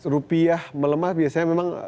rupiah melemah biasanya memang